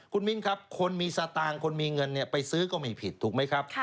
คุณมิ้นครับคนมีสตางค์คนมีเงินไปซื้อก็ไม่ผิดถูกไหมครับ